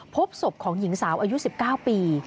พบศพของหญิงสาวอายุ๑๙ปี